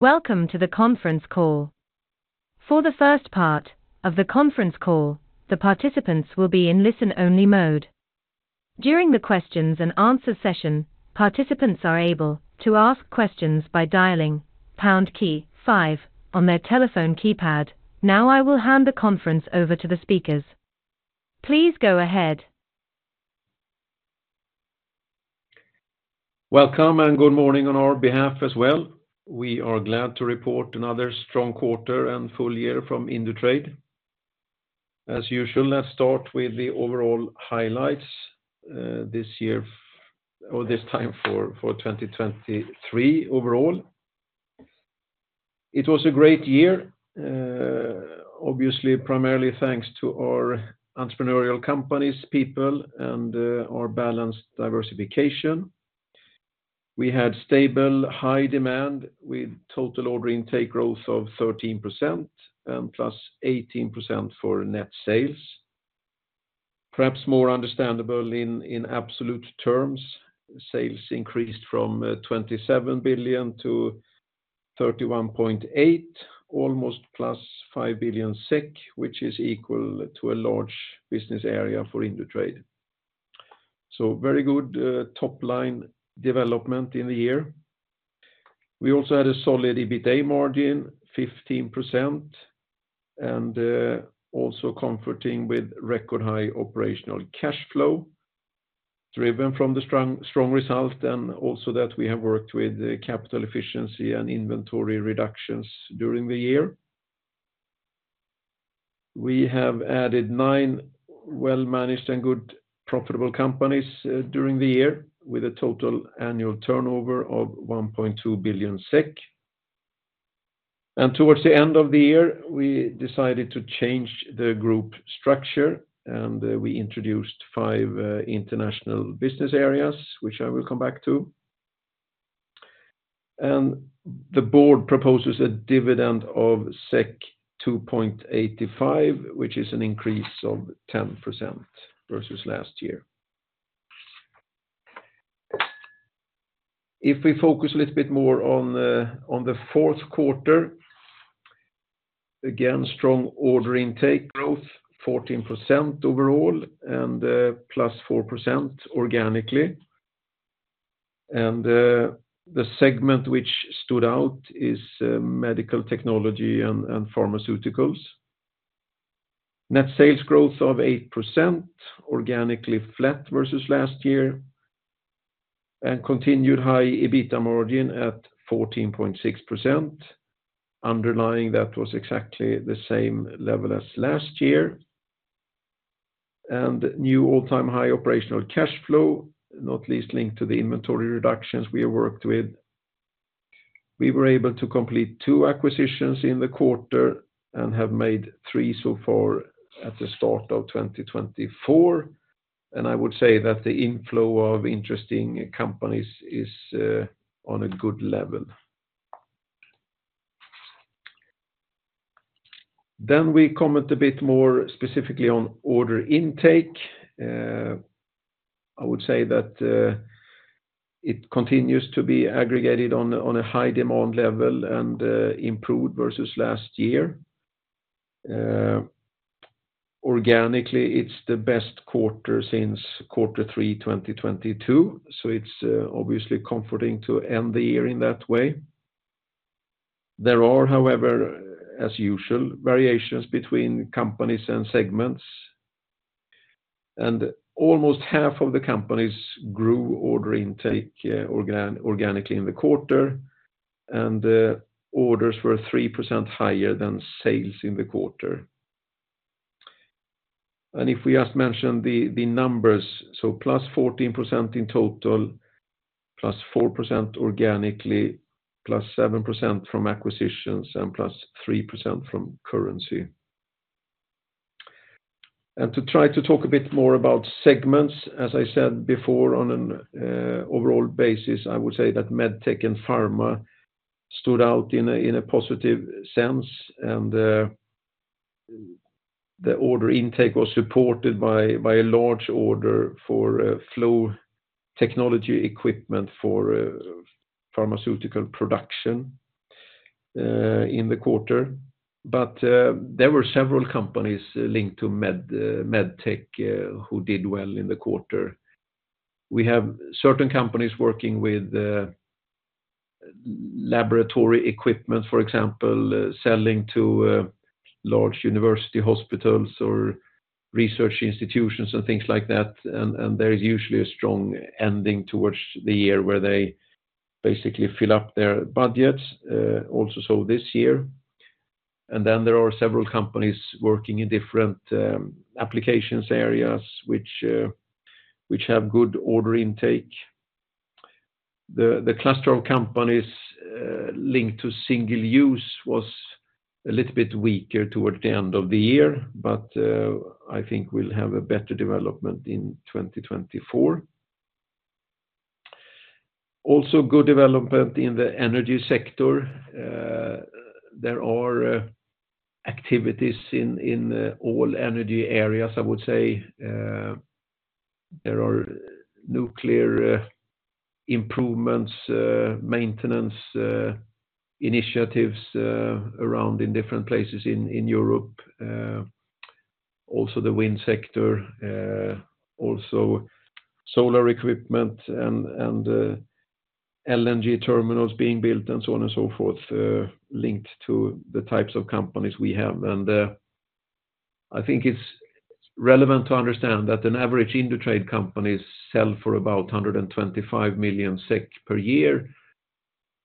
Welcome to the conference call. For the first part of the conference call, the participants will be in listen-only mode. During the questions and answer session, participants are able to ask questions by dialing pound key five on their telephone keypad. Now, I will hand the conference over to the speakers. Please go ahead. Welcome, and good morning on our behalf as well. We are glad to report another strong quarter and full year from Indutrade. As usual, let's start with the overall highlights, this year or this time for, for 2023 overall. It was a great year, obviously, primarily thanks to our entrepreneurial companies, people, and, our balanced diversification. We had stable, high demand, with total order intake growth of 13%, and +18% for net sales. Perhaps more understandable in, in absolute terms, sales increased from, 27 billion to 31.8 billion, almost +5 billion SEK, which is equal to a large business area for Indutrade. So very good, top line development in the year. We also had a solid EBITDA margin, 15%, and also comforting with record high operational cash flow, driven from the strong, strong result, and also that we have worked with the capital efficiency and inventory reductions during the year. We have added nine well-managed and good profitable companies during the year, with a total annual turnover of 1.2 billion SEK. And towards the end of the year, we decided to change the group structure, and we introduced five international business areas, which I will come back to. And the board proposes a dividend of 2.85, which is an increase of 10% versus last year. If we focus a little bit more on the fourth quarter, again, strong order intake growth, 14% overall, and +4% organically. The segment which stood out is medical technology and pharmaceuticals. Net sales growth of 8%, organically flat versus last year, and continued high EBITA margin at 14.6%. Underlying, that was exactly the same level as last year. New all-time high operational cash flow, not least linked to the inventory reductions we have worked with. We were able to complete two acquisitions in the quarter and have made three so far at the start of 2024, and I would say that the inflow of interesting companies is on a good level. Then we comment a bit more specifically on order intake. I would say that it continues to be aggregated on a high demand level and improved versus last year. Organically, it's the best quarter since quarter three 2022, so it's obviously comforting to end the year in that way. There are, however, as usual, variations between companies and segments, and almost half of the companies grew order intake organically in the quarter, and the orders were 3% higher than sales in the quarter. And if we just mention the numbers, so +14% in total, +4% organically, +7% from acquisitions, and +3% from currency. And to try to talk a bit more about segments, as I said before, on an overall basis, I would say that MedTech and Pharma stood out in a positive sense, and the order intake was supported by a large order for Flow Technology equipment for pharmaceutical production in the quarter. But there were several companies linked to MedTech who did well in the quarter. We have certain companies working with laboratory equipment, for example, selling to large university hospitals or research institutions and things like that. And there is usually a strong ending towards the year where they basically fill up their budgets, also so this year. And then there are several companies working in different applications areas which have good order intake. The cluster of companies linked to single-use was a little bit weaker towards the end of the year, but I think we'll have a better development in 2024. Also, good development in the energy sector. There are activities in all energy areas, I would say. There are nuclear improvements, maintenance initiatives around in different places in Europe. Also, the wind sector, also solar equipment and LNG terminals being built, and so on and so forth, linked to the types of companies we have. And I think it's relevant to understand that an average Indutrade companies sell for about 125 million SEK per year,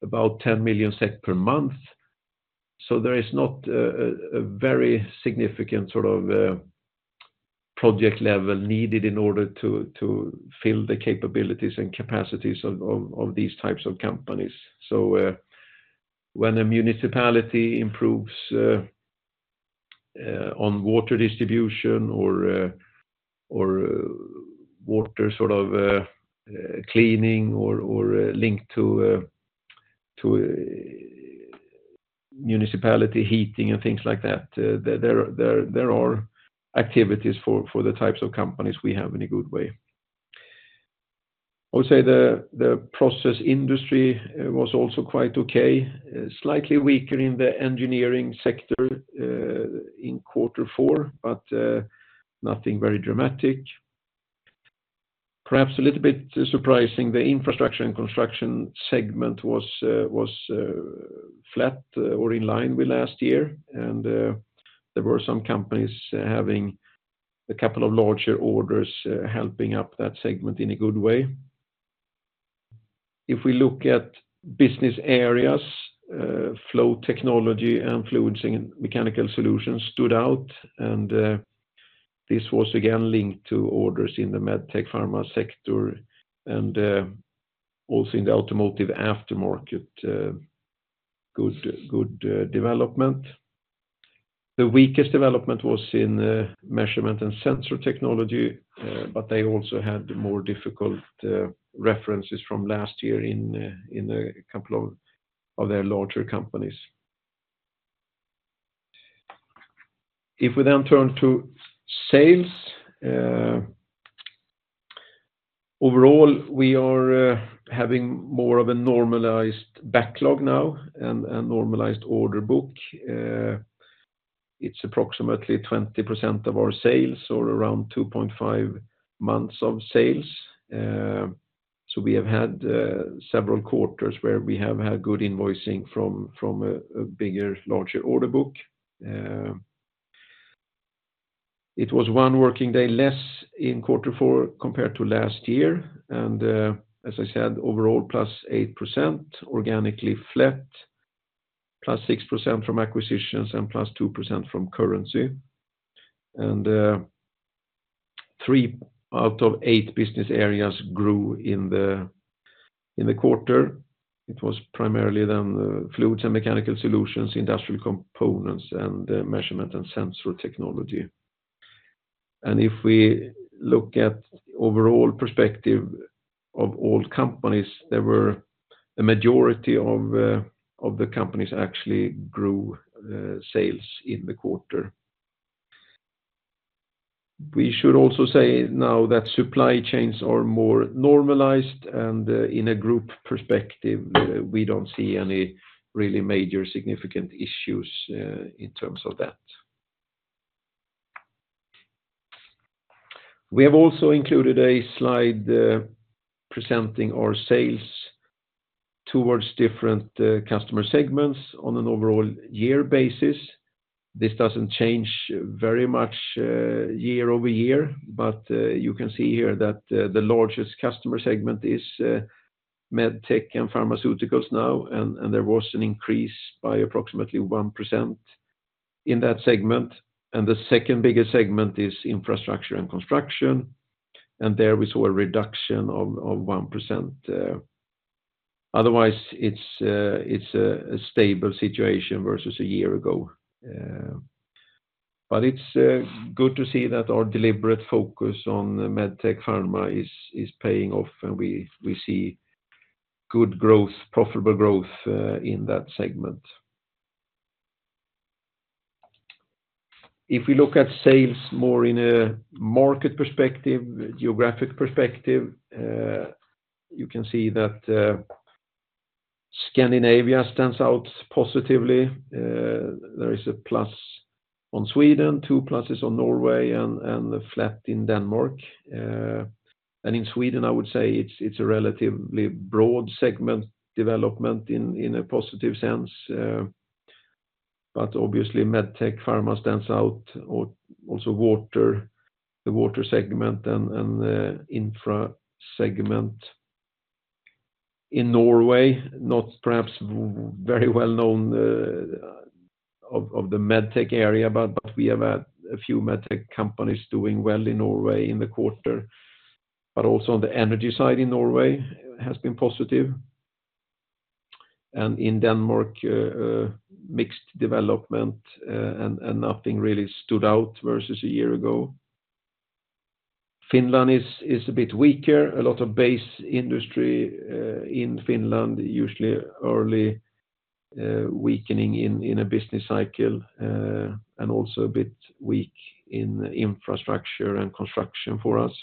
about 10 million SEK per month. So there is not a very significant sort of project level needed in order to fill the capabilities and capacities of these types of companies. So, when a municipality improves on water distribution or water sort of cleaning or linked to municipality heating and things like that, there are activities for the types of companies we have in a good way. I would say the process industry was also quite okay, slightly weaker in the engineering sector in quarter four, but nothing very dramatic. Perhaps a little bit surprising, the infrastructure and construction segment was flat or in line with last year, and there were some companies having a couple of larger orders helping up that segment in a good way. If we look at business areas, Flow Technology and Fluids & Mechanical Solutions stood out, and this was again linked to orders in the MedTech pharma sector and also in the automotive aftermarket, good, good development. The weakest development was in Measurement & Sensor Technology, but they also had more difficult references from last year in a couple of their larger companies. If we then turn to sales, overall, we are having more of a normalized backlog now and normalized order book. It's approximately 20% of our sales or around 2.5 months of sales. So we have had several quarters where we have had good invoicing from a bigger, larger order book. It was 1 working day less in quarter four compared to last year, and, as I said, overall, +8%, organically flat, +6% from acquisitions and +2% from currency. Three out of 8 business areas grew in the quarter. It was primarily then the Fluids & Mechanical Solutions, Industrial Components, and Measurement & Sensor Technology. If we look at overall perspective of all companies, there were a majority of the companies actually grew sales in the quarter. We should also say now that supply chains are more normalized and, in a group perspective, we don't see any really major significant issues in terms of that. We have also included a slide presenting our sales towards different customer segments on an overall year basis. This doesn't change very much year-over-year, but you can see here that the largest customer segment is MedTech and pharmaceuticals now, and there was an increase by approximately 1% in that segment. The second biggest segment is infrastructure and construction, and there we saw a reduction of 1%. Otherwise, it's a stable situation versus a year ago, but it's good to see that our deliberate focus on the MedTech pharma is paying off, and we see good growth, profitable growth in that segment. If we look at sales more in a market perspective, geographic perspective, you can see that Scandinavia stands out positively. There is a plus on Sweden, two pluses on Norway, and a flat in Denmark. In Sweden, I would say it's a relatively broad segment development in a positive sense, but obviously, MedTech pharma stands out, or also water, the water segment and the infra segment. In Norway, not perhaps very well known of the MedTech area, but we have a few MedTech companies doing well in Norway in the quarter, but also on the energy side in Norway has been positive. In Denmark, a mixed development, and nothing really stood out versus a year ago. Finland is a bit weaker. A lot of base industry in Finland, usually early weakening in a business cycle, and also a bit weak in infrastructure and construction for us.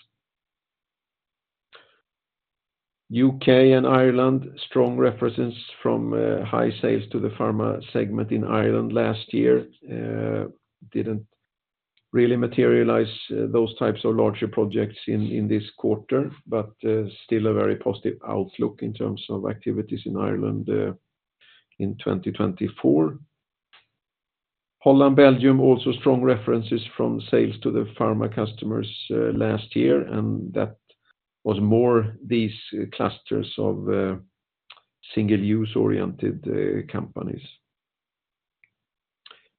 U.K. and Ireland, strong references from high sales to the pharma segment in Ireland last year didn't really materialize those types of larger projects in this quarter, but still a very positive outlook in terms of activities in Ireland in 2024. Holland, Belgium, also strong references from sales to the pharma customers last year, and that was more these clusters of single-use oriented companies.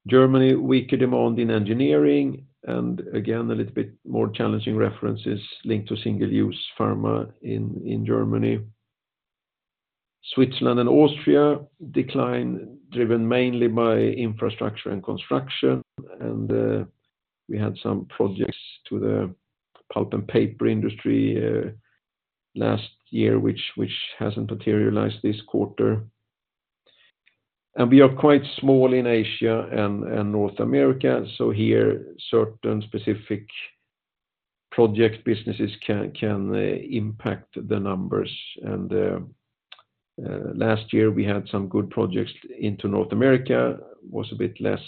Germany, weaker demand in engineering, and again, a little bit more challenging references linked to single-use pharma in Germany. Switzerland and Austria, decline driven mainly by infrastructure and construction, and we had some projects to the pulp and paper industry last year, which hasn't materialized this quarter. And we are quite small in Asia and North America, so here, certain specific project businesses can impact the numbers. Last year, we had some good projects into North America, was a bit less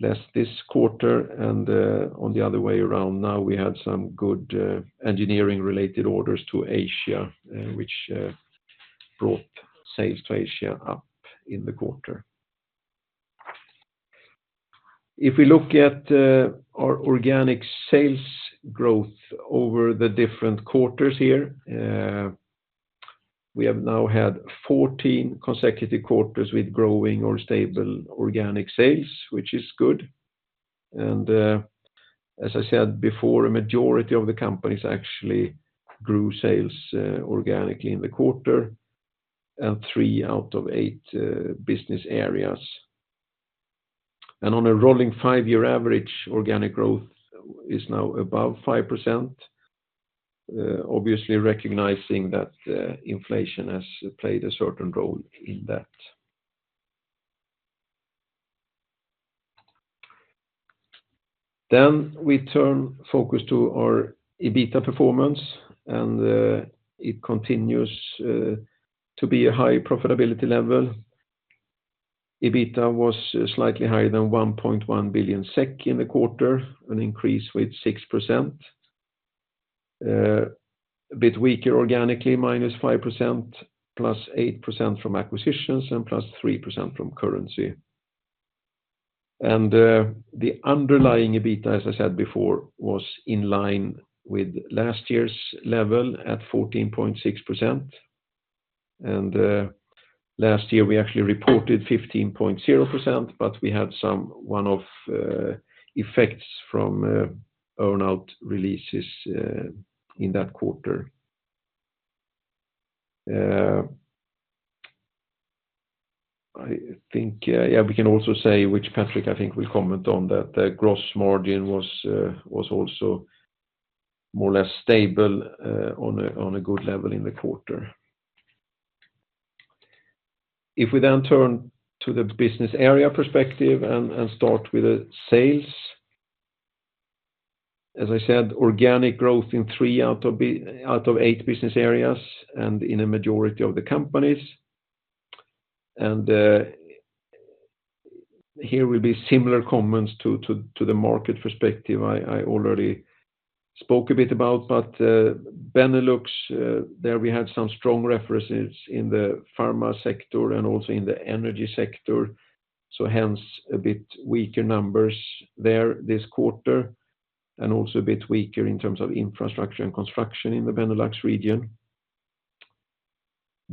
this quarter, and on the other way around, now we had some good engineering-related orders to Asia, which brought sales to Asia up in the quarter. If we look at our organic sales growth over the different quarters here, we have now had 14 consecutive quarters with growing or stable organic sales, which is good. As I said before, a majority of the companies actually grew sales organically in the quarter, and 3 out of 8 business areas. On a rolling five-year average, organic growth is now above 5%, obviously recognizing that inflation has played a certain role in that. Then we turn focus to our EBITDA performance, and it continues to be a high profitability level. EBITDA was slightly higher than 1.1 billion SEK in the quarter, an increase with 6%. A bit weaker organically, -5%, +8% from acquisitions, and +3% from currency. And the underlying EBITDA, as I said before, was in line with last year's level at 14.6%. And last year, we actually reported 15.0%, but we had some one-off effects from earn-out releases in that quarter. I think, yeah, we can also say, which Patrik, I think, will comment on, that the gross margin was also more or less stable on a good level in the quarter. If we then turn to the business area perspective and start with the sales, as I said, organic growth in three out of eight business areas and in a majority of the companies. Here will be similar comments to the market perspective I already spoke a bit about, but Benelux, there we had some strong references in the pharma sector and also in the energy sector, so hence, a bit weaker numbers there this quarter, and also a bit weaker in terms of infrastructure and construction in the Benelux region.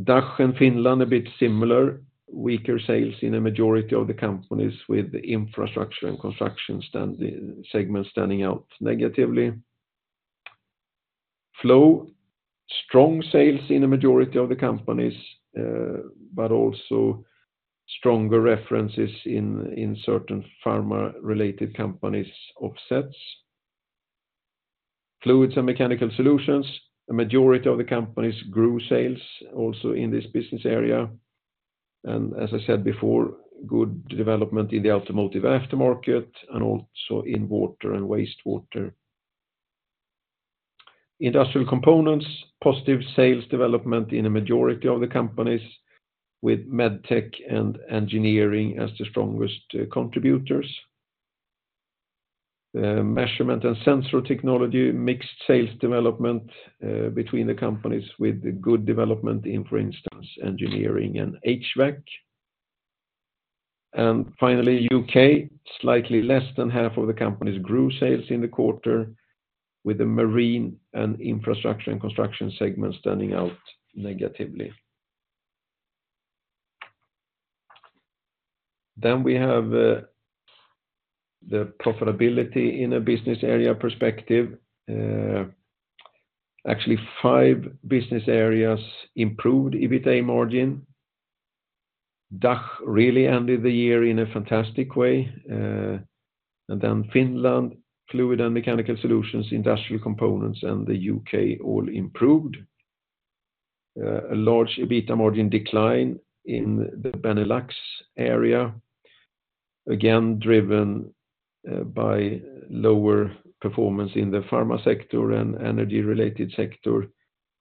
DACH and Finland, a bit similar, weaker sales in a majority of the companies with the infrastructure and construction segment standing out negatively. Flow, strong sales in a majority of the companies, but also stronger references in certain pharma-related companies offsets. Fluids and Mechanical Solutions, a majority of the companies grew sales also in this business area, and as I said before, good development in the Automotive aftermarket and also in water and wastewater. Industrial Components, positive sales development in a majority of the companies with MedTech and engineering as the strongest contributors. Measurement and Sensor Technology, mixed sales development between the companies with good development in, for instance, engineering and HVAC. And finally, U.K., slightly less than half of the companies grew sales in the quarter with the marine and infrastructure and construction segment standing out negatively. Then we have the profitability in a business area perspective. Actually, five business areas improved EBITDA margin. DACH really ended the year in a fantastic way. And then Finland, Fluids and Mechanical Solutions, Industrial Components, and the U.K. all improved. A large EBITDA margin decline in the Benelux area, again, driven by lower performance in the pharma sector and energy-related sector,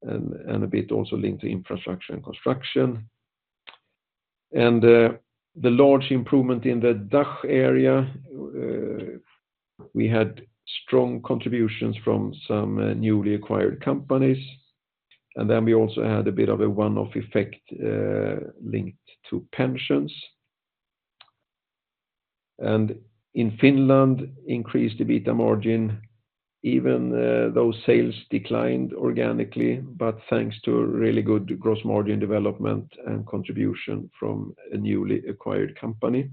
and a bit also linked to infrastructure and construction. And the large improvement in the DACH area, we had strong contributions from some newly acquired companies, and then we also had a bit of a one-off effect linked to pensions. And in Finland, increased EBITDA margin, even those sales declined organically, but thanks to really good gross margin development and contribution from a newly acquired company.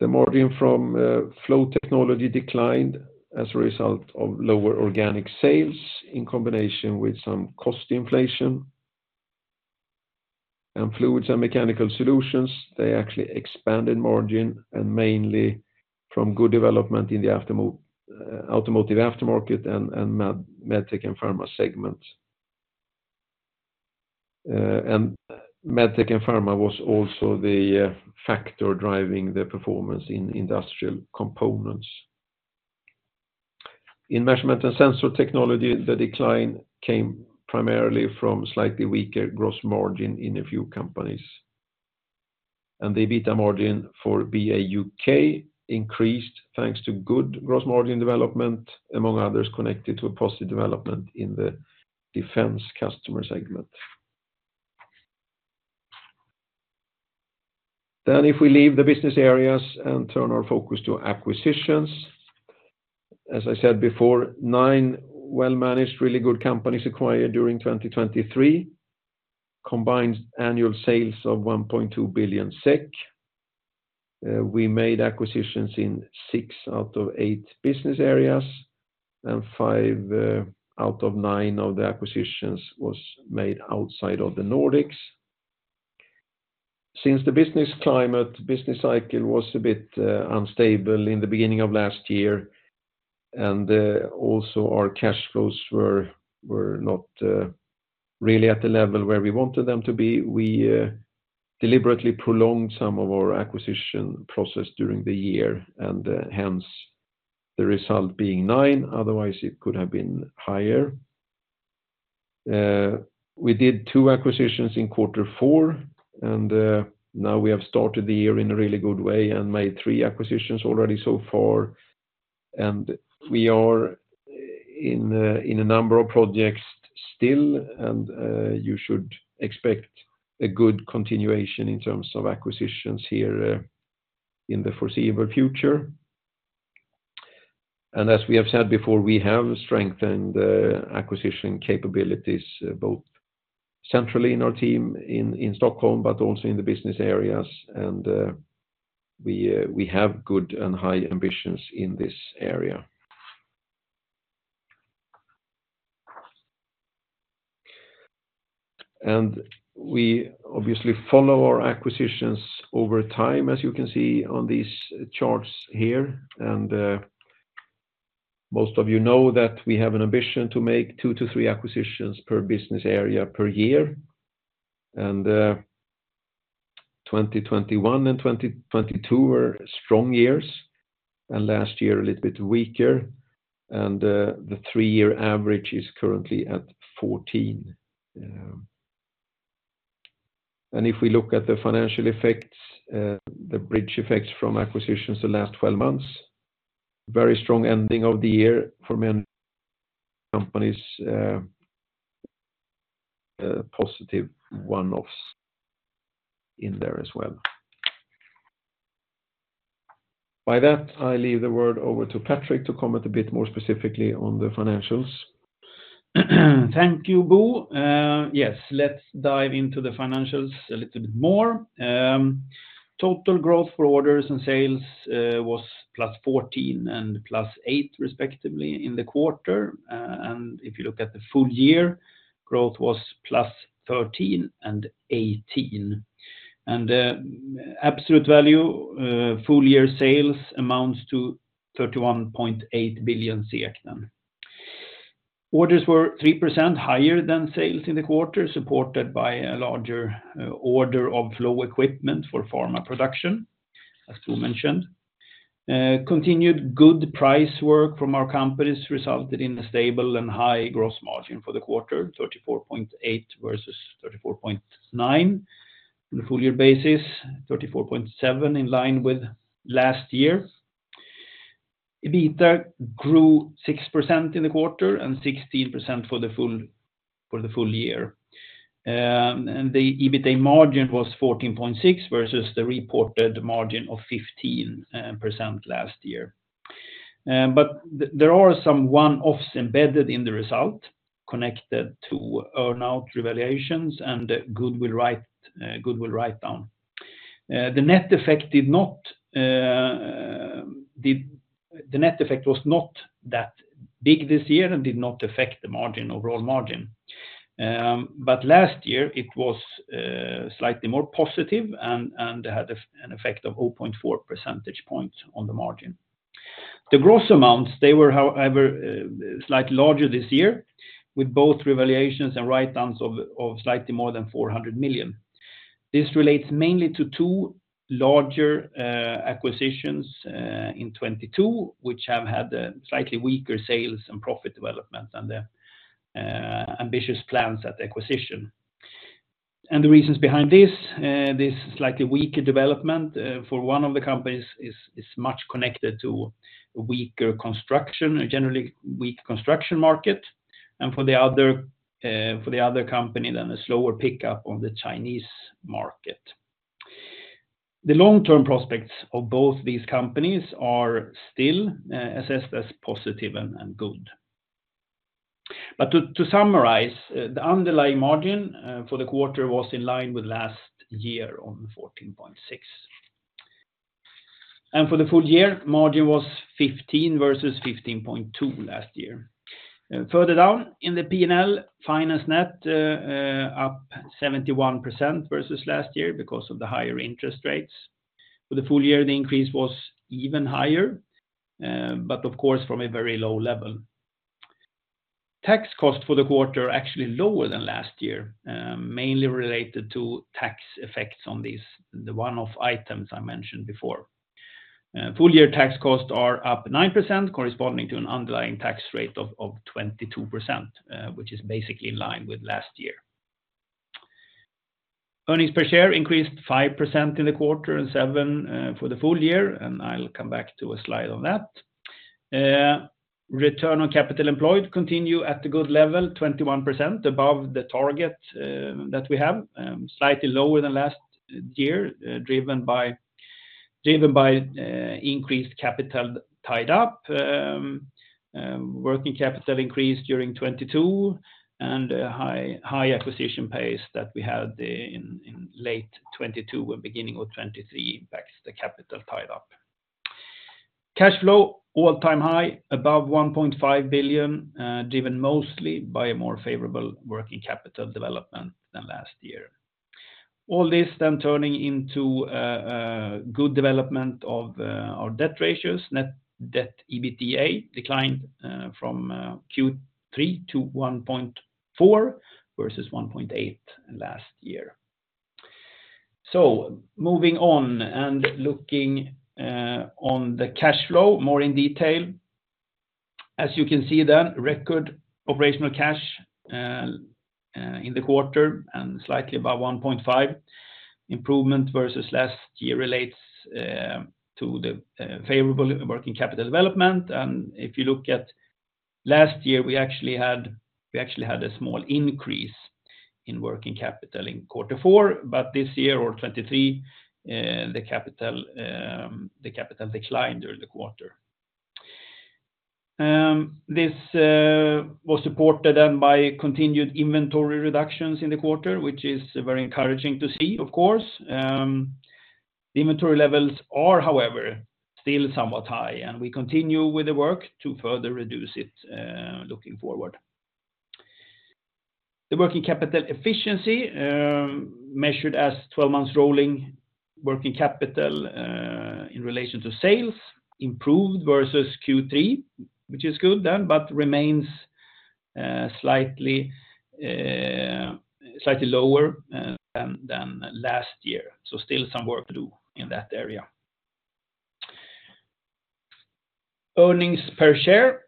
The margin from Flow Technology declined as a result of lower organic sales in combination with some cost inflation. And Fluids and Mechanical Solutions, they actually expanded margin, and mainly from good development in the automotive aftermarket and MedTech and Pharma segments. MedTech and Pharma was also the factor driving the performance in Industrial Components. In Measurement and Sensor Technology, the decline came primarily from slightly weaker gross margin in a few companies. The EBITDA margin for BA U.K. increased thanks to good gross margin development, among others, connected to a positive development in the defense customer segment. Then if we leave the business areas and turn our focus to acquisitions, as I said before, nine well-managed, really good companies acquired during 2023, combined annual sales of 1.2 billion SEK. We made acquisitions in six out of eight business areas, and five out of nine of the acquisitions was made outside of the Nordics. Since the business climate, business cycle was a bit unstable in the beginning of last year, and also our cash flows were not really at the level where we wanted them to be, we deliberately prolonged some of our acquisition process during the year, and hence, the result being 9, otherwise, it could have been higher. We did 2 acquisitions in quarter four, and now we have started the year in a really good way and made 3 acquisitions already so far, and we are in a number of projects still, and you should expect a good continuation in terms of acquisitions here in the foreseeable future. As we have said before, we have strengthened acquisition capabilities, both centrally in our team in, in Stockholm, but also in the business areas, and we have good and high ambitions in this area. We obviously follow our acquisitions over time, as you can see on these charts here, and most of you know that we have an ambition to make two to three acquisitions per business area per year. 2021 and 2022 were strong years, and last year, a little bit weaker, and the three-year average is currently at 14. And if we look at the financial effects, the bridge effects from acquisitions the last 12 months, very strong ending of the year for many companies, positive one-offs in there as well. By that, I leave the word over to Patrik to comment a bit more specifically on the financials. Thank you, Bo. Yes, let's dive into the financials a little bit more. Total growth for orders and sales was +14% and +8%, respectively, in the quarter. And if you look at the full year, growth was +13% and +18%. Absolute value, full-year sales amounts to 31.8 billion then. Orders were 3% higher than sales in the quarter, supported by a larger order of flow equipment for pharma production, as Bo mentioned. Continued good price work from our companies resulted in a stable and high gross margin for the quarter, 34.8% versus 34.9%. On a full year basis, 34.7%, in line with last year. EBITDA grew 6% in the quarter and 16% for the full, for the full year. The EBITDA margin was 14.6, versus the reported margin of 15% last year. But there are some one-offs embedded in the result connected to earn-out revaluations and goodwill write-down. The net effect was not that big this year and did not affect the margin, overall margin. But last year it was slightly more positive and had an effect of 0.4 percentage points on the margin. The gross amounts, they were, however, slightly larger this year, with both revaluations and write-downs of slightly more than 400 million. This relates mainly to two larger acquisitions in 2022, which have had a slightly weaker sales and profit development than the ambitious plans at the acquisition. The reasons behind this, this slightly weaker development, for one of the companies is much connected to weaker construction, a generally weak construction market, and for the other company, then a slower pickup on the Chinese market. The long-term prospects of both these companies are still assessed as positive and good. To summarize, the underlying margin for the quarter was in line with last year on 14.6%. For the full year, margin was 15% versus 15.2% last year. Further down in the P&L finance net, up 71% versus last year because of the higher interest rates. For the full year, the increase was even higher, but of course, from a very low level. Tax cost for the quarter are actually lower than last year, mainly related to tax effects on these, the one-off items I mentioned before. Full-year tax costs are up 9%, corresponding to an underlying tax rate of 22%, which is basically in line with last year. Earnings per share increased 5% in the quarter and 7% for the full year, and I'll come back to a slide on that. Return on capital employed continue at the good level, 21% above the target that we have, slightly lower than last year, driven by increased capital tied up. Working capital increased during 2022, and a high acquisition pace that we had in late 2022 and beginning of 2023 impacts the capital tied up. Cash flow, all-time high, above 1.5 billion, driven mostly by a more favorable working capital development than last year. All this then turning into a good development of our debt ratios. Net debt/EBITDA declined from Q3 to 1.4 versus 1.8 last year. So moving on and looking on the cash flow more in detail. As you can see then, record operational cash in the quarter and slightly above 1.5 billion. Improvement versus last year relates to the favorable working capital development. And if you look at last year, we actually had, we actually had a small increase in working capital in quarter four, but this year or 2023, the capital, the capital declined during the quarter. This was supported then by continued inventory reductions in the quarter, which is very encouraging to see, of course. The inventory levels are, however, still somewhat high, and we continue with the work to further reduce it looking forward. The working capital efficiency, measured as 12 months rolling working capital in relation to sales, improved versus Q3, which is good then, but remains slightly lower than last year. So still some work to do in that area. Earnings per share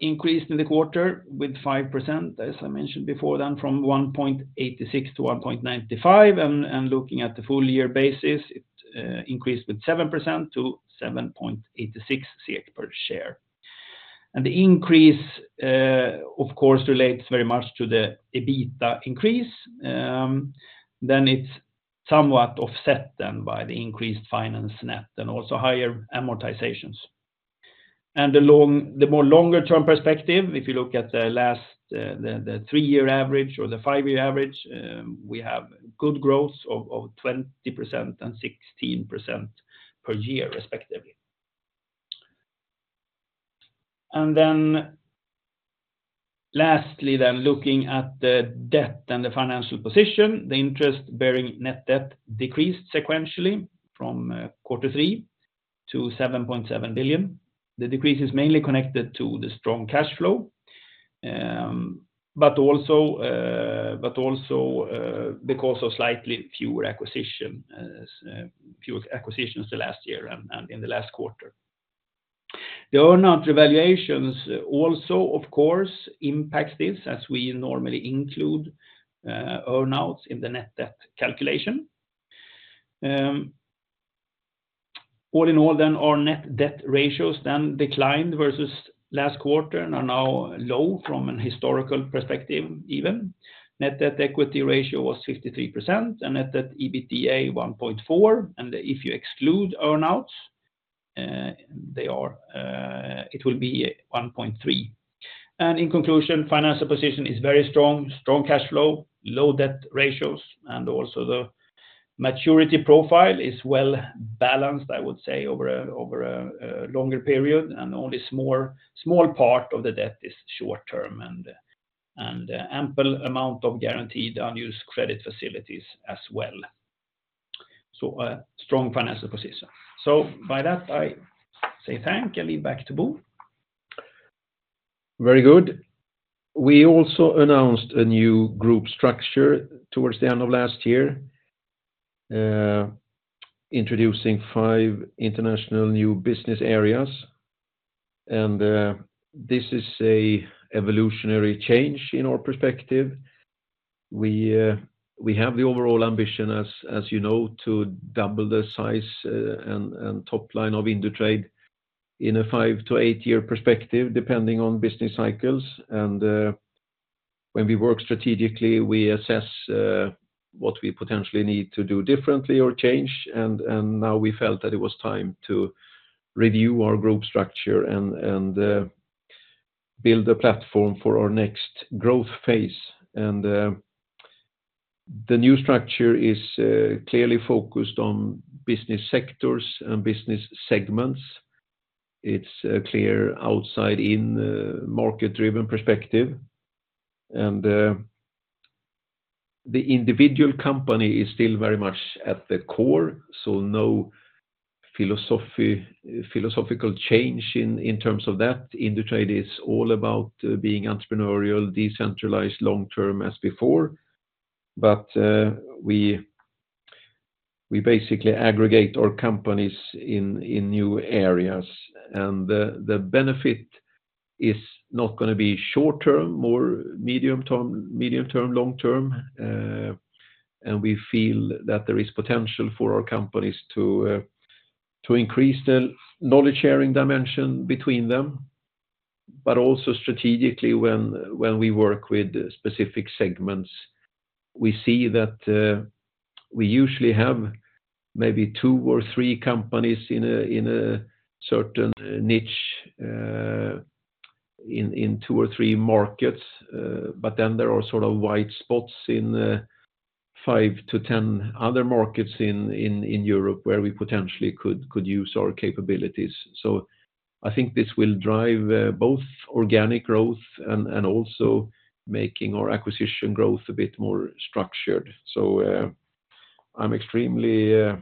increased in the quarter with 5%, as I mentioned before, then from 1.86 to 1.95, and looking at the full year basis, it increased with 7% to 7.86 SEK per share. The increase, of course, relates very much to the EBITDA increase, then it's somewhat offset then by the increased finance net and also higher amortizations. The longer term perspective, if you look at the last three-year average or the five-year average, we have good growth of 20% and 16% per year, respectively. Then lastly, looking at the debt and the financial position, the interest bearing net debt decreased sequentially from quarter three to 7.7 billion. The decrease is mainly connected to the strong cash flow, but also because of slightly fewer acquisitions the last year and in the last quarter. The earn-out revaluations also, of course, impact this as we normally include earn-outs in the net debt calculation. All in all, then our net debt ratios declined versus last quarter and are now low from a historical perspective, even. Net debt/equity ratio was 53% and net debt/EBITDA, 1.4. And if you exclude earnouts, they are 1.3. And in conclusion, financial position is very strong, strong cash flow, low debt ratios, and also the maturity profile is well balanced, I would say, over a longer period, and only small part of the debt is short term, and ample amount of guaranteed unused credit facilities as well. So a strong financial position. So by that, I say thank, and leave back to Bo. Very good. We also announced a new group structure towards the end of last year, introducing five international new business areas, and this is an evolutionary change in our perspective. We have the overall ambition, as you know, to double the size and top line of Indutrade in a five-to-eight-year perspective, depending on business cycles. When we work strategically, we assess what we potentially need to do differently or change, and now we felt that it was time to review our group structure and build a platform for our next growth phase. The new structure is clearly focused on business sectors and business segments. It's clear outside in market-driven perspective, and the individual company is still very much at the core, so no philosophy, philosophical change in terms of that. Indutrade is all about being entrepreneurial, decentralized, long term as before. But we basically aggregate our companies in new areas, and the benefit is not going to be short term, more medium term, medium term, long term. And we feel that there is potential for our companies to increase the knowledge-sharing dimension between them, but also strategically, when we work with specific segments, we see that we usually have maybe two or three companies in a certain niche, in two or three markets, but then there are sort of wide spots in five to 10 other markets in Europe, where we potentially could use our capabilities. So I think this will drive both organic growth and also making our acquisition growth a bit more structured. So, I'm extremely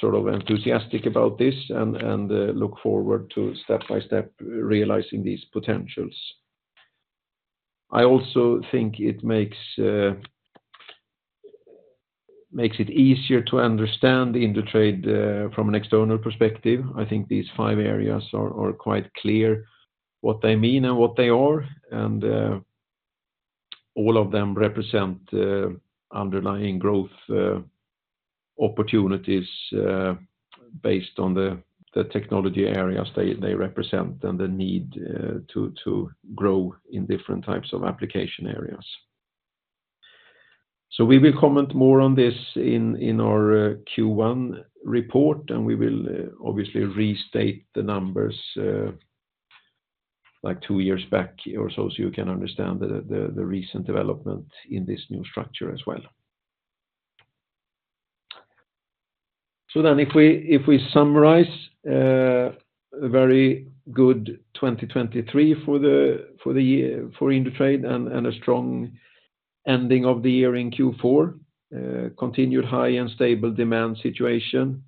sort of enthusiastic about this and look forward to step by step realizing these potentials. I also think it makes it easier to understand Indutrade from an external perspective. I think these five areas are quite clear what they mean and what they are, and all of them represent underlying growth opportunities based on the technology areas they represent and the need to grow in different types of application areas. So we will comment more on this in our Q1 report, and we will obviously restate the numbers like two years back or so, so you can understand the recent development in this new structure as well. So then if we summarize a very good 2023 for the year for Indutrade and a strong ending of the year in Q4, continued high and stable demand situation.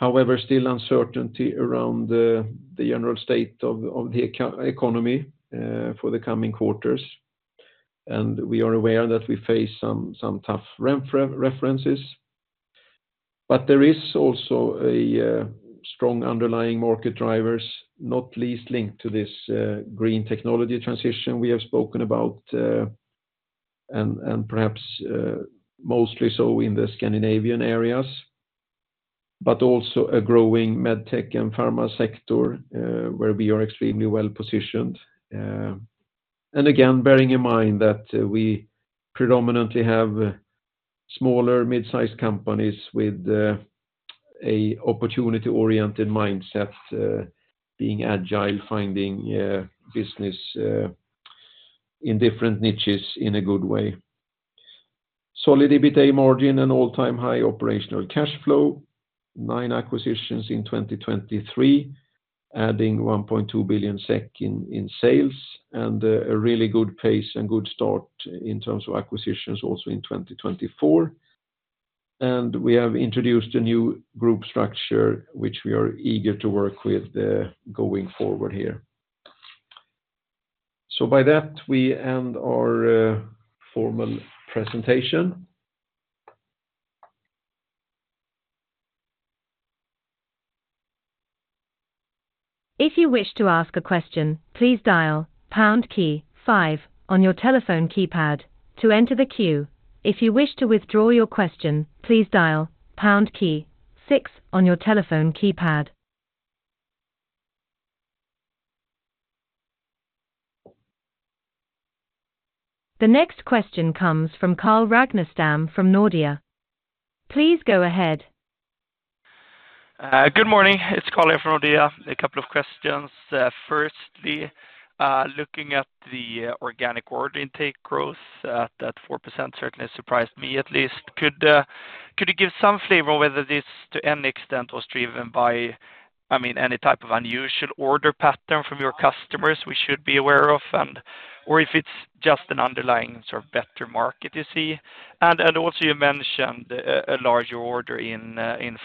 However, still uncertainty around the general state of the economy for the coming quarters, and we are aware that we face some tough references, but there is also a strong underlying market drivers, not least linked to this green technology transition we have spoken about, and perhaps mostly so in the Scandinavian areas, but also a growing MedTech and pharma sector, where we are extremely well-positioned. And again, bearing in mind that we predominantly have smaller, mid-sized companies with an opportunity-oriented mindset, being agile, finding business in different niches in a good way. Solid EBITDA margin and all-time high operational cash flow, 9 acquisitions in 2023, adding 1.2 billion SEK in sales, and a really good pace and good start in terms of acquisitions also in 2024. We have introduced a new group structure, which we are eager to work with, going forward here. By that, we end our formal presentation. If you wish to ask a question, please dial pound key five on your telephone keypad to enter the queue. If you wish to withdraw your question, please dial pound key six on your telephone keypad. The next question comes from Carl Ragnerstam from Nordea. Please go ahead. Good morning. It's Carl from Nordea. A couple of questions. Firstly, looking at the organic order intake growth, that 4% certainly surprised me at least. Could you give some flavor on whether this, to any extent, was driven by, I mean, any type of unusual order pattern from your customers we should be aware of, and or if it's just an underlying sort of better market you see? And also you mentioned a larger order in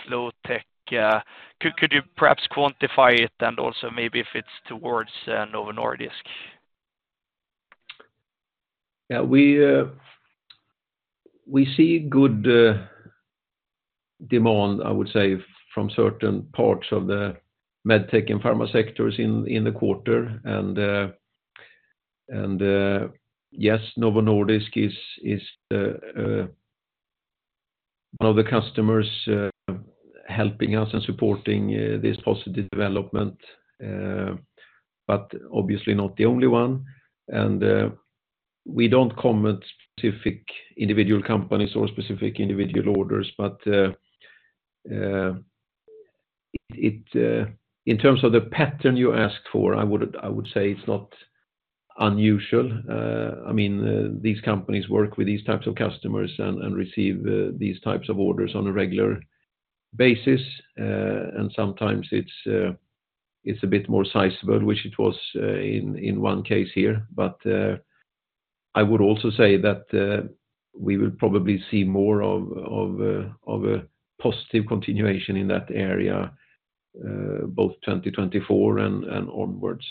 Flow Technology. Could you perhaps quantify it and also maybe if it's towards Novo Nordisk? Yeah, we see good demand, I would say, from certain parts of the MedTech and pharma sectors in the quarter. And yes, Novo Nordisk is one of the customers helping us and supporting this positive development, but obviously not the only one. And we don't comment specific individual companies or specific individual orders. But in terms of the pattern you asked for, I would say it's not unusual. I mean, these companies work with these types of customers and receive these types of orders on a regular basis. And sometimes it's a bit more sizable, which it was in one case here. But, I would also say that we will probably see more of a positive continuation in that area, both 2024 and onwards.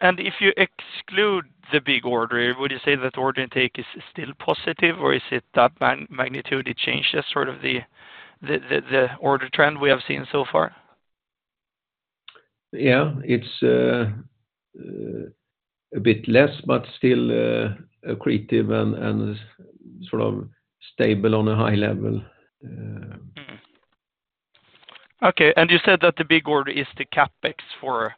If you exclude the big order, would you say that order intake is still positive, or is it that magnitude change that's sort of the order trend we have seen so far? Yeah. It's a bit less, but still, accretive and sort of stable on a high level. Mm. Okay, and you said that the big order is the CapEx for,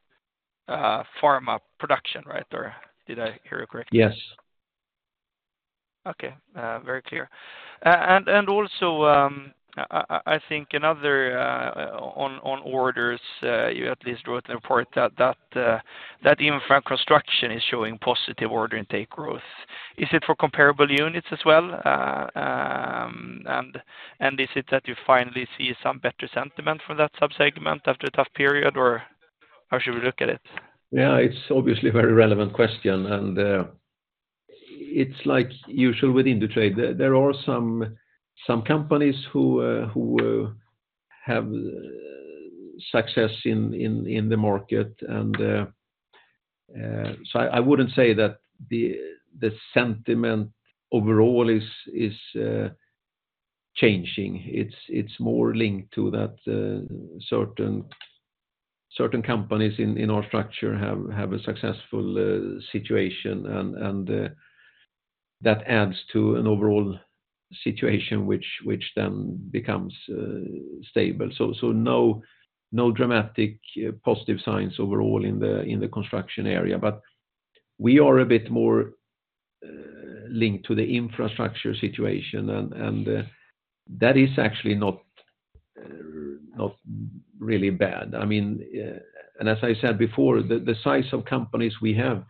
pharma production, right? Or did I hear you correctly? Yes. Okay, very clear. And also, I think another on orders, you at least wrote in the report that even frame construction is showing positive order intake growth. Is it for comparable units as well? And is it that you finally see some better sentiment from that sub-segment after a tough period, or how should we look at it? Yeah, it's obviously a very relevant question, and it's like usual with Indutrade. There are some companies who have success in the market, and... So I wouldn't say that the sentiment overall is changing. It's more linked to that certain companies in our structure have a successful situation, and that adds to an overall situation which then becomes stable. So no dramatic positive signs overall in the construction area. But we are a bit more linked to the infrastructure situation, and that is actually not really bad. I mean, and as I said before, the size of companies we have,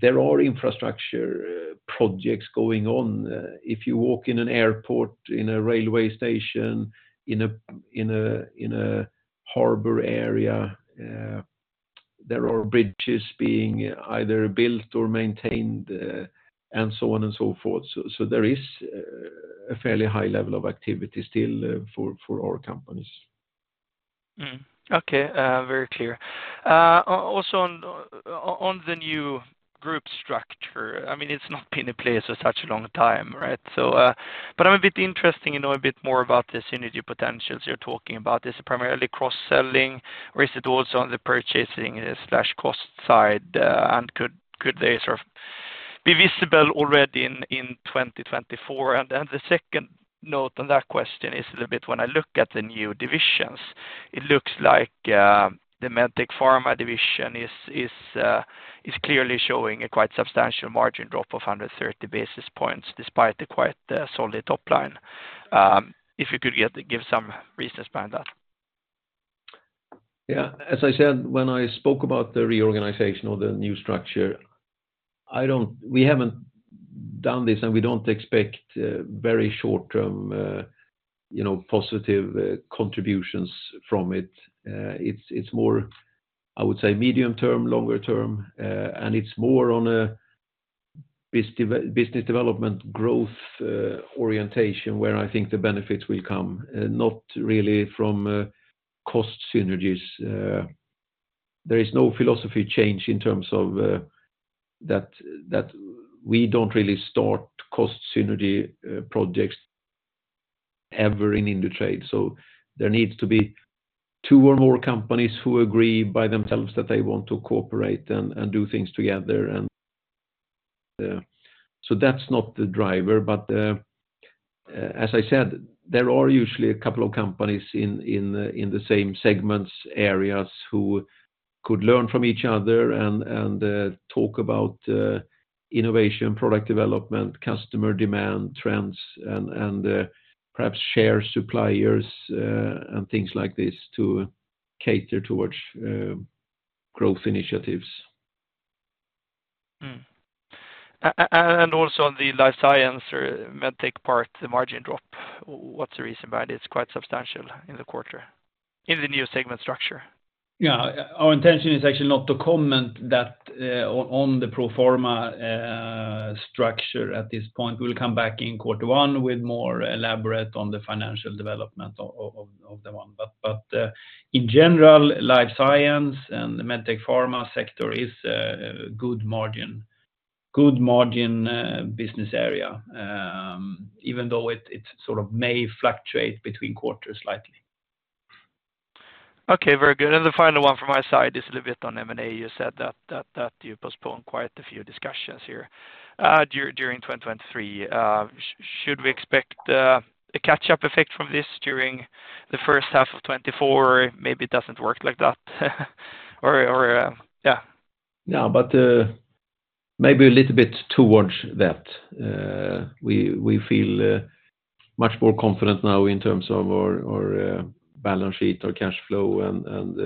there are infrastructure projects going on. If you walk in an airport, in a railway station, in a harbor area, there are bridges being either built or maintained, and so on and so forth. So there is a fairly high level of activity still, for our companies. Mm. Okay, very clear. Also on the new group structure, I mean, it's not been in place for such a long time, right? So, but I'm a bit interested to know a bit more about the synergy potentials you're talking about. Is it primarily cross-selling, or is it also on the purchasing slash cost side, and could they sort of be visible already in 2024? And then the second note on that question is a little bit when I look at the new divisions, it looks like the MedTech Pharma division is clearly showing a quite substantial margin drop of 130 basis points, despite the quite solid top line. If you could give some reasons behind that. Yeah. As I said, when I spoke about the reorganization or the new structure, I don't, we haven't done this, and we don't expect very short-term, you know, positive contributions from it. It's more, I would say, medium term, longer term, and it's more on a business development growth orientation, where I think the benefits will come, not really from cost synergies. There is no philosophy change in terms of that, that we don't really start cost synergy projects ever in Indutrade. So there needs to be two or more companies who agree by themselves that they want to cooperate and, and do things together, and so that's not the driver. But... As I said, there are usually a couple of companies in the same segments, areas who could learn from each other and talk about innovation, product development, customer demand, trends, and perhaps share suppliers and things like this to cater towards growth initiatives. And also on the life science or MedTech part, the margin drop, what's the reason behind it? It's quite substantial in the quarter, in the new segment structure. Yeah, our intention is actually not to comment that on the pro forma structure at this point. We'll come back in quarter one with more elaborate on the financial development of the one. But in general, life science and the MedTech pharma sector is a good margin business area, even though it sort of may fluctuate between quarters slightly. Okay, very good. The final one from my side is a little bit on M&A. You said that you postponed quite a few discussions here during 2023. Should we expect a catch-up effect from this during the first half of 2024? Maybe it doesn't work like that, or yeah. No, but maybe a little bit towards that. We feel much more confident now in terms of our balance sheet, our cash flow, and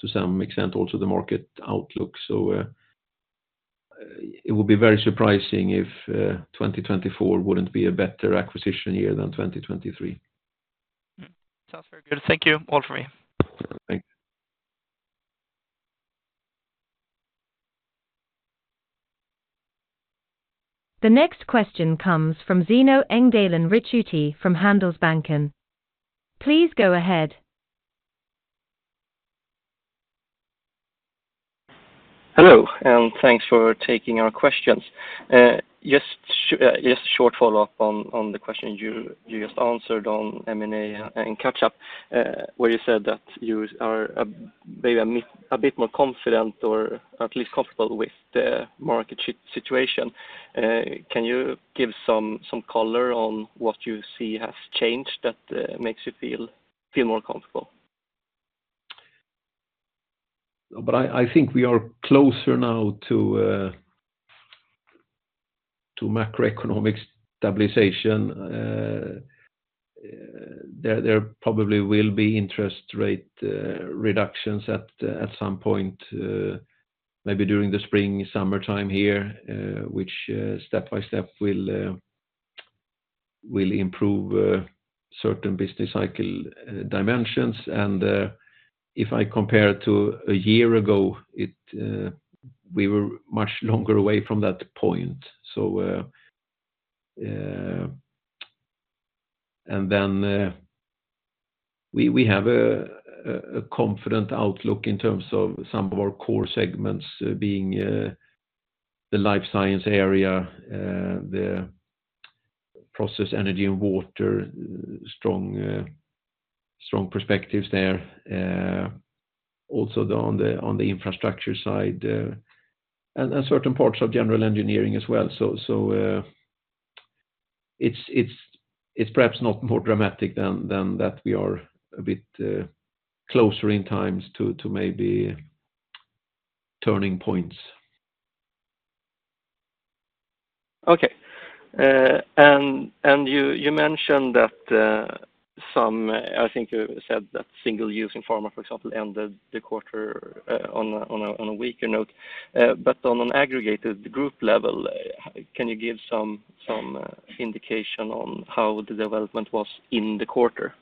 to some extent, also the market outlook. So, it will be very surprising if 2024 wouldn't be a better acquisition year than 2023. Mm. Sounds very good. Thank you. All for me. Thanks. The next question comes from Zino Engdalen Ricciuti from Handelsbanken. Please go ahead. Hello, and thanks for taking our questions. Just a short follow-up on the question you just answered on M&A and catch up, where you said that you are maybe a bit more confident or at least comfortable with the market situation. Can you give some color on what you see has changed that makes you feel more comfortable? I think we are closer now to macroeconomic stabilization. There probably will be interest rate reductions at some point, maybe during the spring, summer time here, which step by step will improve certain business cycle dimensions. If I compare to a year ago, we were much longer away from that point. We have a confident outlook in terms of some of our core segments, being the life science area, the process energy and water, strong perspectives there. Also on the infrastructure side, and certain parts of general engineering as well. So, it's perhaps not more dramatic than that we are a bit closer in times to maybe turning points. Okay. And you mentioned that, I think you said that single-use in pharma, for example, ended the quarter on a weaker note. But on an aggregated group level, can you give some indication on how the development was in the quarter?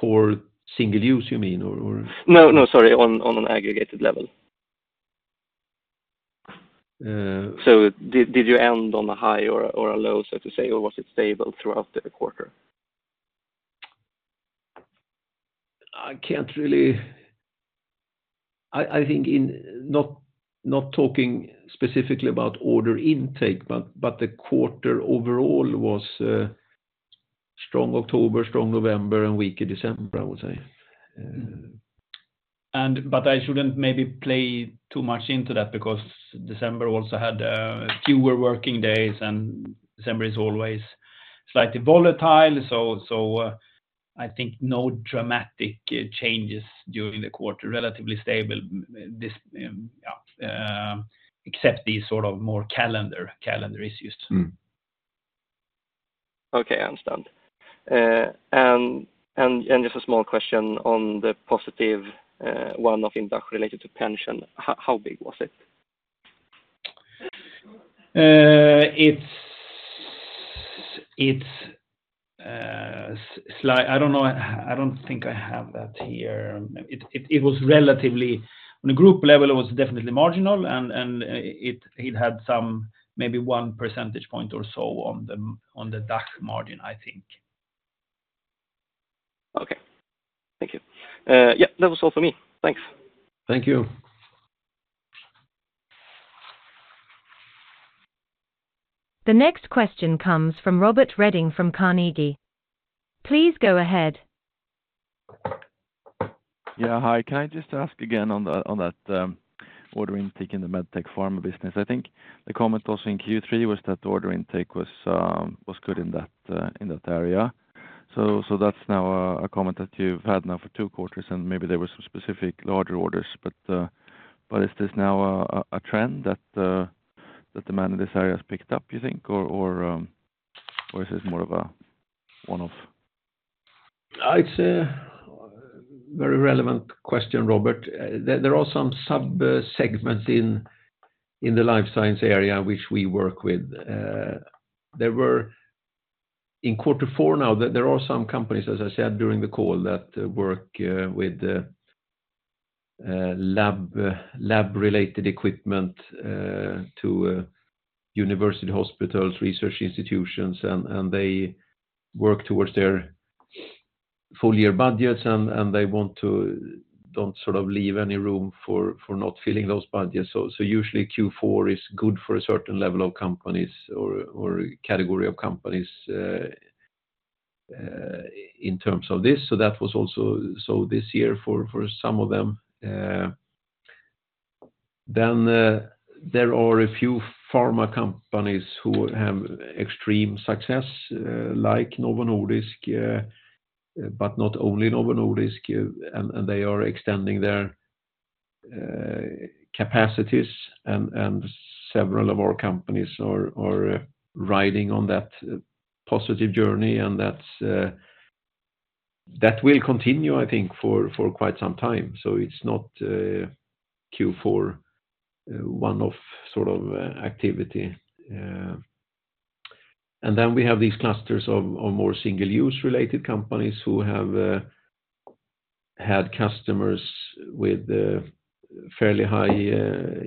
For single-use, you mean, or, or? No, no, sorry. On an aggregated level. Uh. So did you end on a high or a low, so to say, or was it stable throughout the quarter? I can't really. I think, not talking specifically about order intake, but the quarter overall was strong October, strong November, and weaker December, I would say. But I shouldn't maybe play too much into that because December also had fewer working days, and December is always slightly volatile. I think no dramatic changes during the quarter, relatively stable, except these sort of more calendar issues. Okay, understood. And just a small question on the positive one-off impact related to pension. How big was it? It's slightly. I don't know. I don't think I have that here. It was relatively... On a group level, it was definitely marginal, and it had some maybe 1 percentage point or so on the DACH margin, I think. Okay. Thank you. Yeah, that was all for me. Thanks. Thank you. The next question comes from Robert Redin from Carnegie. Please go ahead.... Yeah, hi. Can I just ask again on that order intake in the MedTech pharma business? I think the comment also in Q3 was that order intake was good in that area. So that's now a comment that you've had now for two quarters, and maybe there were some specific larger orders, but is this now a trend that demand in this area has picked up, you think? Or is this more of a one-off? It's a very relevant question, Robert. There are some sub-segments in the life science area which we work with. There were in quarter four now, there are some companies, as I said, during the call, that work with lab-related equipment to university hospitals, research institutions, and they work towards their full year budgets, and they want to don't sort of leave any room for not filling those budgets. So usually Q4 is good for a certain level of companies or category of companies in terms of this. So that was also this year for some of them. Then, there are a few pharma companies who have extreme success, like Novo Nordisk, but not only Novo Nordisk, and they are extending their capacities, and several of our companies are riding on that positive journey, and that's. That will continue, I think, for quite some time. So it's not Q4, one-off sort of activity. And then we have these clusters of more single-use related companies who have had customers with fairly high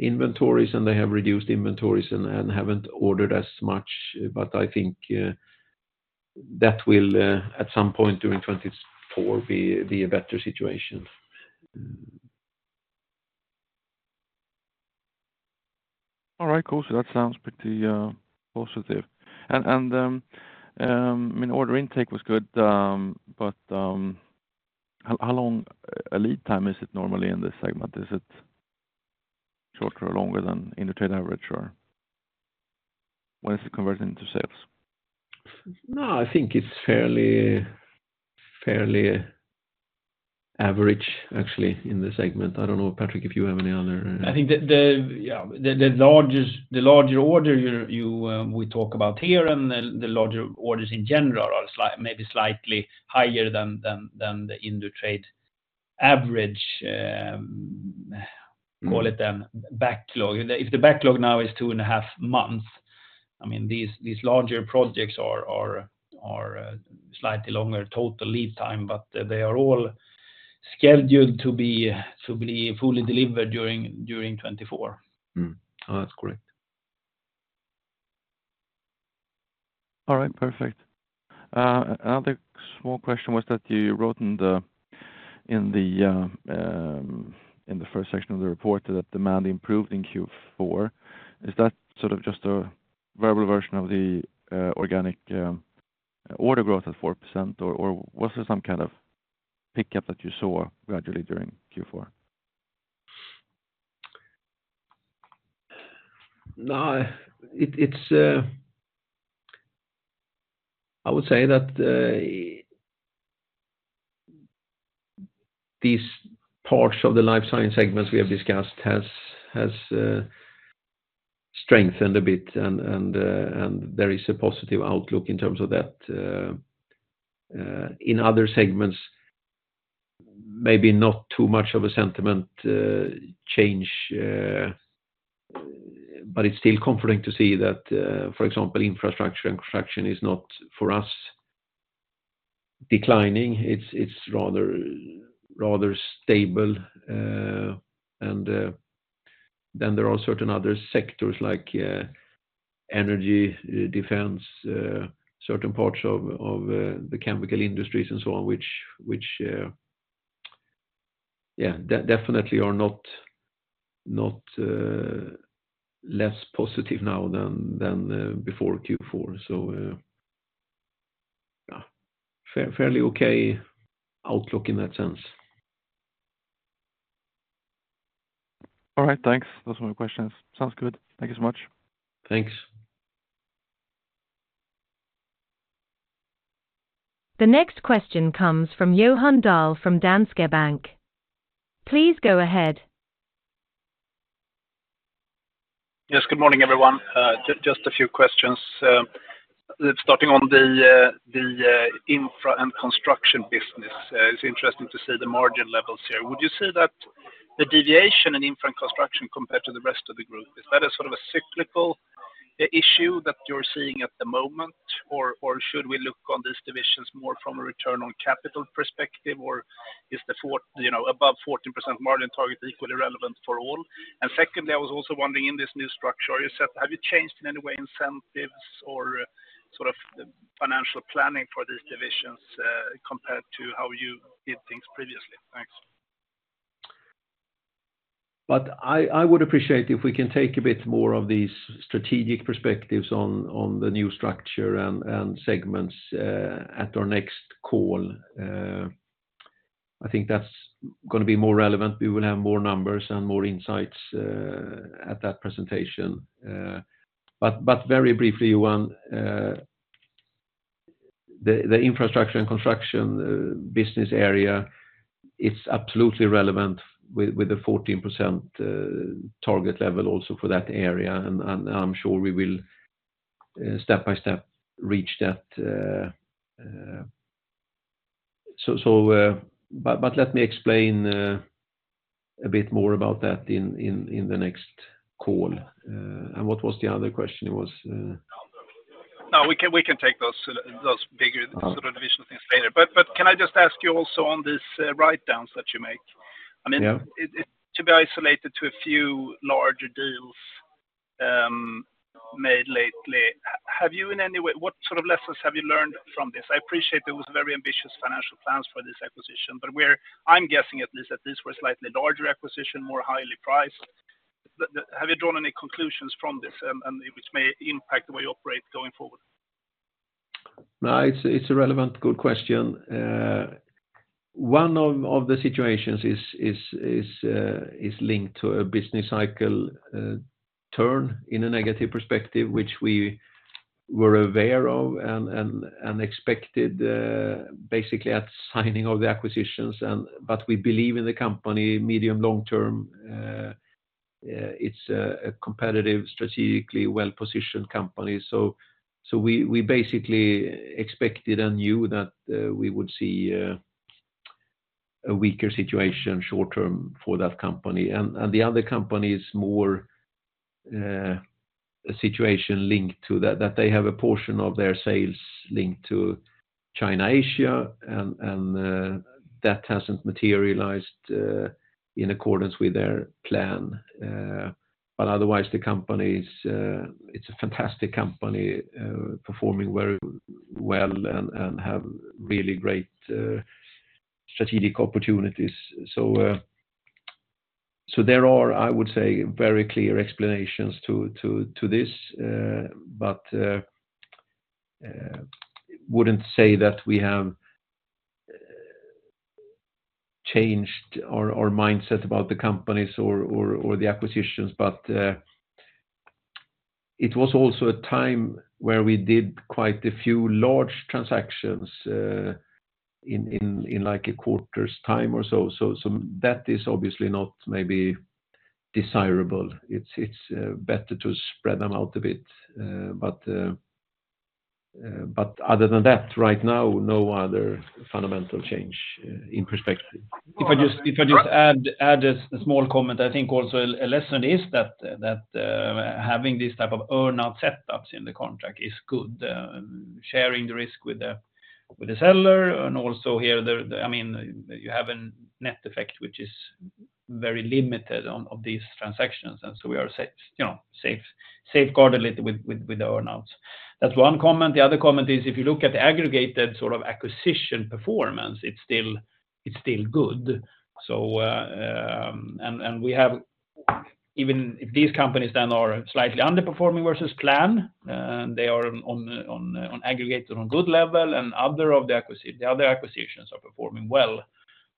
inventories, and they have reduced inventories and haven't ordered as much, but I think that will, at some point during 2024, be a better situation. All right, cool. So that sounds pretty positive. I mean, order intake was good, but how long a lead time is it normally in this segment? Is it shorter or longer than Indutrade average, or when does it convert into sales? No, I think it's fairly, fairly average, actually, in the segment. I don't know, Patrik, if you have any other? I think the largest, the larger order we talk about here, and the larger orders in general are slightly higher than the Indutrade average, call it a backlog. If the backlog now is 2.5 months, I mean, these larger projects are slightly longer total lead time, but they are all scheduled to be fully delivered during 2024. Mm-hmm. Oh, that's correct. All right, perfect. Another small question was that you wrote in the first section of the report that demand improved in Q4. Is that sort of just a verbal version of the organic order growth at 4%, or was there some kind of pickup that you saw gradually during Q4? No, it, it's, I would say that these parts of the life science segments we have discussed has strengthened a bit, and there is a positive outlook in terms of that. In other segments, maybe not too much of a sentiment change, but it's still comforting to see that, for example, infrastructure and construction is not, for us, declining. It's rather stable. And then there are certain other sectors like energy, defense, certain parts of the chemical industries and so on, which, yeah, definitely are not less positive now than before Q4. So, yeah, fairly okay outlook in that sense. All right. Thanks. Those were my questions. Sounds good. Thank you so much. Thanks. The next question comes from Johan Dahl from Danske Bank. Please go ahead. Yes, good morning, everyone. Just a few questions. Starting on the infra and construction business, it's interesting to see the margin levels here. Would you say that the deviation in infra and construction compared to the rest of the group is that a sort of a cyclical issue that you're seeing at the moment? Or should we look on these divisions more from a return on capital perspective, or is the four- you know, above 14% margin target equally relevant for all? And secondly, I was also wondering, in this new structure you said, have you changed in any way incentives or sort of the financial planning for these divisions compared to how you did things previously? Thanks. ... But I would appreciate if we can take a bit more of these strategic perspectives on the new structure and segments at our next call. I think that's gonna be more relevant. We will have more numbers and more insights at that presentation. But very briefly, Johan, the infrastructure and construction business area, it's absolutely relevant with the 14% target level also for that area, and I'm sure we will step by step reach that... So but let me explain a bit more about that in the next call. And what was the other question? It was- No, we can, we can take those, those bigger sort of division things later. But, but can I just ask you also on these, write-downs that you make? Yeah. I mean, it to be isolated to a few larger deals made lately. Have you in any way - what sort of lessons have you learned from this? I appreciate there was very ambitious financial plans for this acquisition, but where I'm guessing at least, that these were slightly larger acquisition, more highly priced. Have you drawn any conclusions from this, and which may impact the way you operate going forward? No, it's a relevant, good question. One of the situations is linked to a business cycle turn in a negative perspective, which we were aware of and expected, basically at signing of the acquisitions. But we believe in the company, medium, long term, it's a competitive, strategically well-positioned company. So we basically expected and knew that we would see a weaker situation short term for that company. And the other company is more a situation linked to that they have a portion of their sales linked to China, Asia, and that hasn't materialized in accordance with their plan. But otherwise, the company is a fantastic company, performing very well and have really great strategic opportunities. So, there are, I would say, very clear explanations to this, but wouldn't say that we have changed our mindset about the companies or the acquisitions. But, it was also a time where we did quite a few large transactions, in like a quarter's time or so. So, that is obviously not maybe desirable. It's better to spread them out a bit, but other than that, right now, no other fundamental change in perspective. If I just add a small comment, I think also a lesson is that having this type of earn-out setups in the contract is good, sharing the risk with the seller, and also here, I mean, you have a net effect, which is very limited of these transactions, and so we are safe, you know, safe, safeguarded with the earn-outs. That's one comment. The other comment is, if you look at the aggregated sort of acquisition performance, it's still good. So, we have even if these companies then are slightly underperforming versus plan, they are on aggregate on good level, and other of the acquisitions, the other acquisitions are performing well.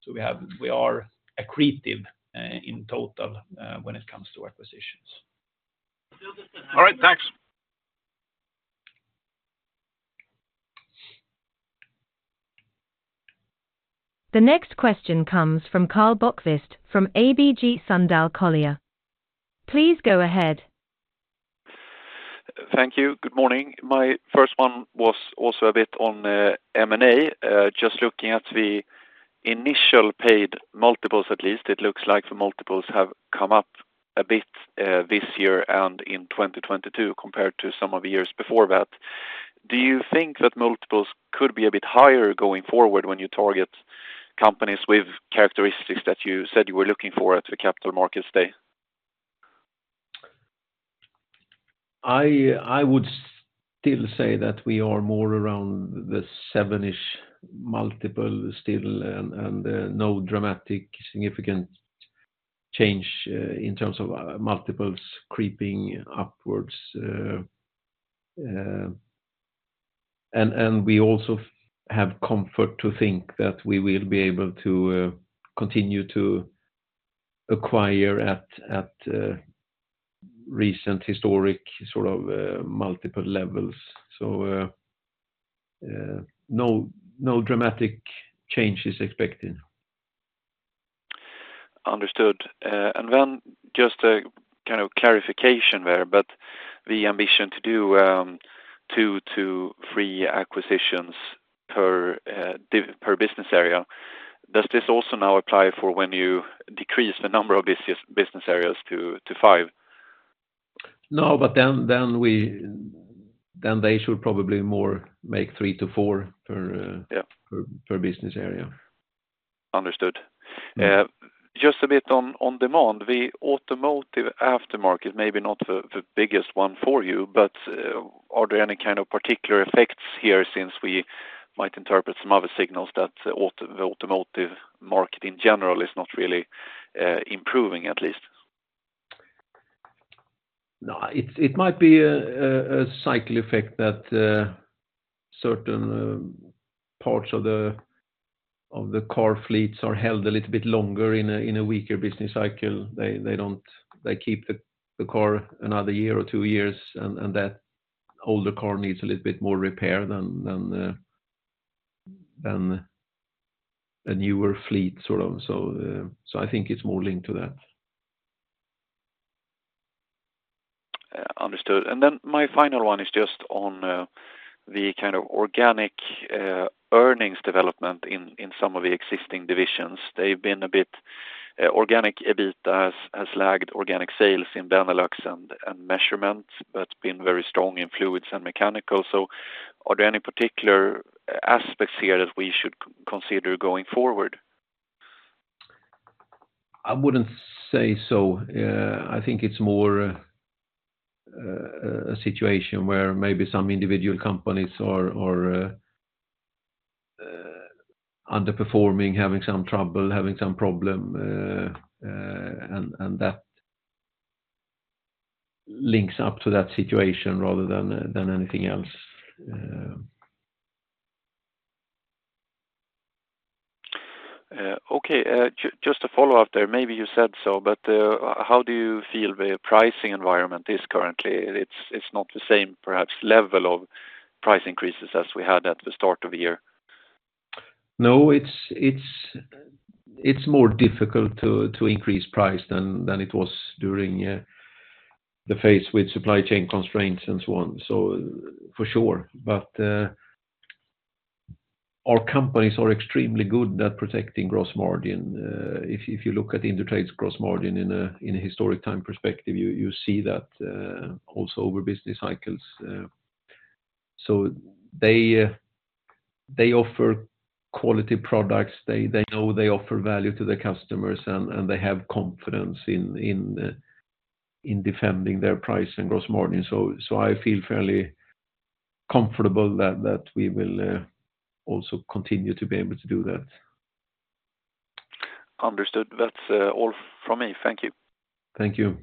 So we are accretive in total when it comes to acquisitions. All right, thanks. The next question comes from Karl Bokvist from ABG Sundal Collier. Please go ahead. Thank you. Good morning. My first one was also a bit on, M&A. Just looking at the initial paid multiples, at least, it looks like the multiples have come up a bit, this year and in 2022 compared to some of the years before that. Do you think that multiples could be a bit higher going forward when you target companies with characteristics that you said you were looking for at the Capital Markets Day? I would still say that we are more around the seven-ish multiple still, and no dramatic significant change in terms of multiples creeping upwards. And we also have comfort to think that we will be able to continue to acquire at recent historic sort of multiple levels. So, no dramatic change is expected. Understood. And then just a kind of clarification there, but the ambition to do 2-3 acquisitions per business area, does this also now apply for when you decrease the number of business areas to 5? No, but then they should probably more make 3-4 per. Yeah... per business area. Understood. Mm-hmm. Just a bit on demand, the automotive aftermarket, maybe not the biggest one for you, but are there any kind of particular effects here since we might interpret some other signals that the automotive market in general is not really improving, at least? No, it might be a cycle effect that certain parts of the car fleets are held a little bit longer in a weaker business cycle. They don't keep the car another year or two years, and that older car needs a little bit more repair than a newer fleet, sort of. So, I think it's more linked to that. Understood. And then my final one is just on the kind of organic earnings development in some of the existing divisions. They've been a bit organic EBITDA has lagged organic sales in Benelux and measurement, but been very strong in fluids and mechanical. So are there any particular aspects here that we should consider going forward? I wouldn't say so. I think it's more a situation where maybe some individual companies are underperforming, having some trouble, having some problem, and that links up to that situation rather than anything else. Okay. Just to follow up there, maybe you said so, but, how do you feel the pricing environment is currently? It's not the same perhaps level of price increases as we had at the start of the year. No, it's more difficult to increase price than it was during the phase with supply chain constraints and so on. So for sure, but our companies are extremely good at protecting gross margin. If you look at Indutrade's gross margin in a historic time perspective, you see that also over business cycles. So they offer quality products. They know they offer value to the customers, and they have confidence in defending their price and gross margin. So I feel fairly comfortable that we will also continue to be able to do that. Understood. That's all from me. Thank you. Thank you.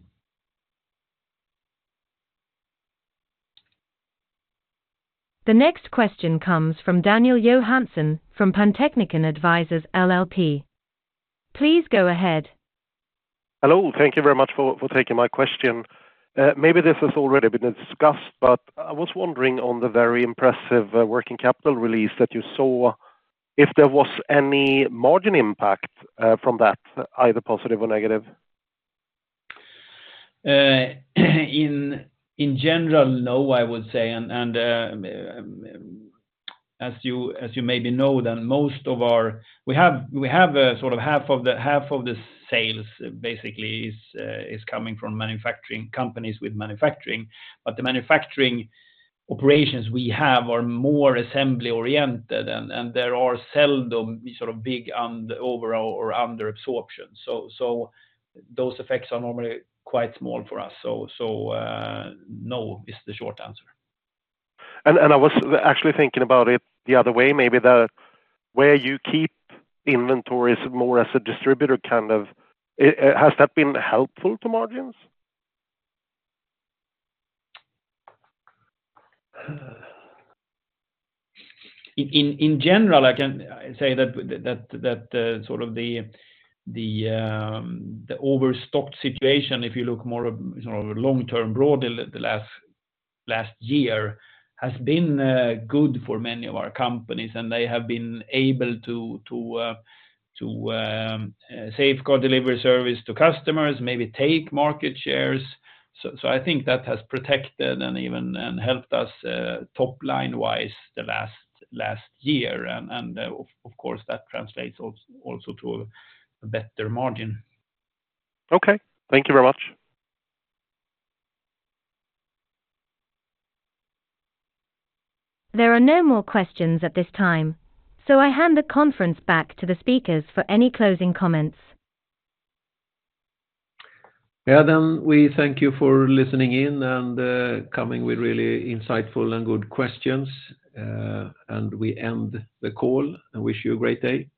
The next question comes from Daniel Johansson from Pantechnicon Advisors LLP. Please go ahead. Hello. Thank you very much for taking my question. Maybe this has already been discussed, but I was wondering on the very impressive working capital release that you saw, if there was any margin impact from that, either positive or negative? In general, no, I would say, and as you maybe know, that most of our sales basically is coming from manufacturing companies with manufacturing, but the manufacturing operations we have are more assembly-oriented, and there are seldom sort of big overall or under absorption. So, no, is the short answer. I was actually thinking about it the other way, maybe the way you keep inventories more as a distributor, kind of, has that been helpful to margins? In general, I can say that sort of the overstocked situation, if you look more sort of long-term broad, the last year, has been good for many of our companies, and they have been able to safeguard delivery service to customers, maybe take market shares. So I think that has protected and even helped us top line-wise the last year. And of course, that translates also to a better margin. Okay. Thank you very much. There are no more questions at this time, so I hand the conference back to the speakers for any closing comments. Yeah, then we thank you for listening in and coming with really insightful and good questions, and we end the call and wish you a great day.